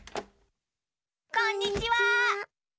こんにちは！